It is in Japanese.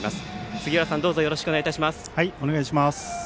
杉浦さん、よろしくお願いします。